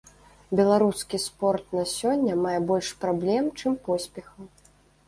Беларускі спорт на сёння мае больш праблем, чым поспехаў.